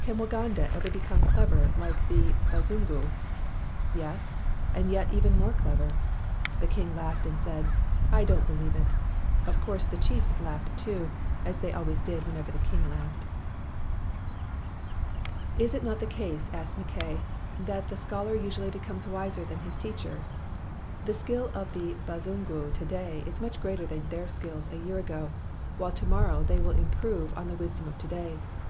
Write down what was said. "Can Waganda ever become clever like the BaziinguV "Yes, and yet even more clever." The king laughed and said; "I don't be lieve it." Of course, the chiefs laughed too, as they always did whenever the king laughed. 173 MACKAY'S NEW NAME "Is it not the case," asked Mackay, "that the scholar usually becomes wiser than his teacher? The skill of the Bazungu to day is much greater than their skill a year ago, while to morrow they will improve on the wisdom of to day.